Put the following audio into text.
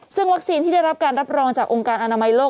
ซึ่งวัคซีนที่ได้รับการรับรองจากองค์การอนามัยโลก